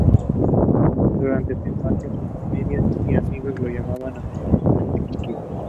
Durante su infancia, sus familiares y amigos la llamaban afectuosamente "Kiki".